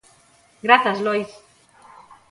Grazas, Lois.